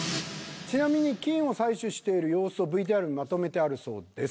ちなみに菌を採取している様子をＶＴＲにまとめてあるそうです。